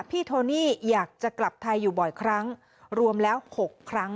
โทนี่อยากจะกลับไทยอยู่บ่อยครั้งรวมแล้ว๖ครั้ง